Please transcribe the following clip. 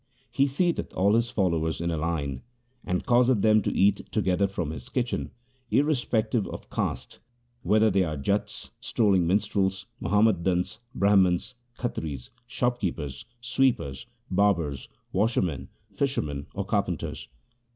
He seateth all his followers in a line, and causeth them to eat together from his kitchen, irrespective of caste — whether they are Jats, strolling minstrels, Muhammadans, Brahmans, Khatris, shopkeepers, sweepers, barbers, washermen, fishermen, or car penters.